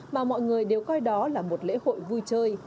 mà mọi người đều coi đó là một lễ hội vui chơi